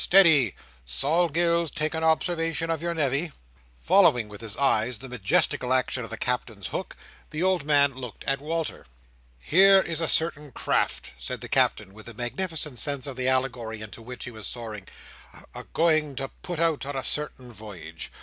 "Steady! Sol Gills, take an observation of your nevy." Following with his eyes the majestic action of the Captain's hook, the old man looked at Walter. "Here is a certain craft," said the Captain, with a magnificent sense of the allegory into which he was soaring, "a going to put out on a certain voyage.